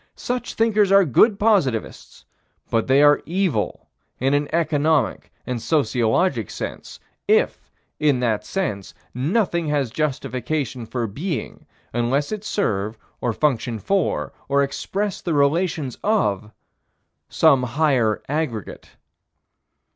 Such thinkers are good positivists, but they are evil in an economic and sociologic sense, if, in that sense, nothing has justification for being, unless it serve, or function for, or express the relations of, some higher aggregate.